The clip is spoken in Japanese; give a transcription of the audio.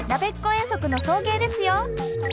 遠足の送迎ですよ！